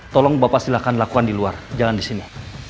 tolong bapak silahkan lakukan di luar jangan di sini